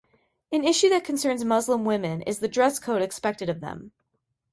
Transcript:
An issue that concerns Muslim women is the dress code expected of them.